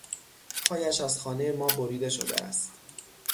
پایش از خانهٔ ما بریده شده است.